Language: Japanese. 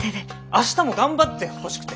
明日も頑張ってほしくて。